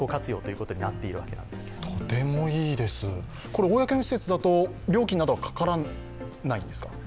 これ、公の施設だと料金はかからないんですか？